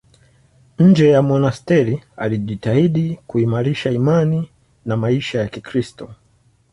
Nje ya monasteri alijitahidi kuimarisha imani na maisha ya Kikristo.